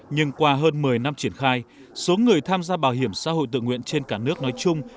nhưng qua hơn một mươi năm triển khai số người tham gia bảo hiểm xã hội tự nguyện trên cả nước nói chung